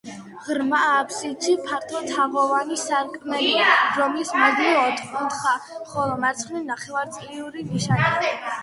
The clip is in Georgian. ღრმა აფსიდში ფართო თაღოვანი სარკმელია, რომლის მარჯვნივ ოთხკუთხა, ხოლო მარცხნივ ნახევარწრიული ნიშია.